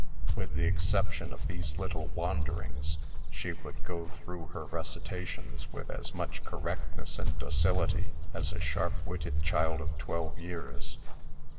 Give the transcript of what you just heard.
With the exception of these little wanderings, she would go through her recitations with as much correctness and docility as a sharp witted child of twelve years.